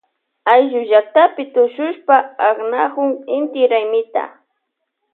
Ayllullaktapi tushushpa aknaykun inti raymita.